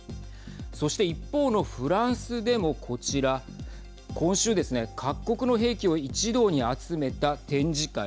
そして一方のフランスでもこちら今週ですね、各国の兵器を一堂に集めた展示会